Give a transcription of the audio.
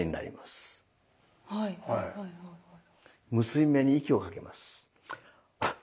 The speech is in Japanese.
結び目に息をかけます。